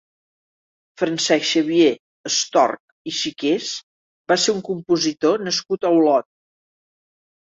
Francesc Xavier Estorch i Siqués va ser un compositor nascut a Olot.